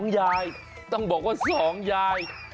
ยายต้องบอกว่า๒ยาย